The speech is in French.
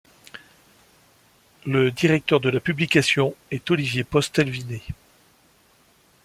Le directeur de la publication est Olivier Postel-Vinay.